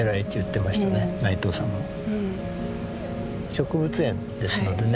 植物園ですのでね